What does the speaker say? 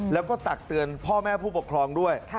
แล้วก็ตักเตือนพ่อแม่ผู้ปกครองด้วย